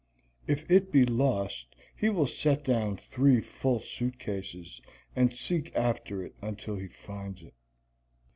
If it be lost he will set down three full suitcases and seek after it until he finds it.